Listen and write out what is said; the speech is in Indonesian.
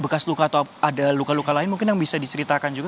bekas luka atau ada luka luka lain mungkin yang bisa diceritakan juga